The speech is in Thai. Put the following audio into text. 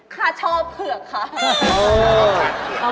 ข้าชอบเผือกครับ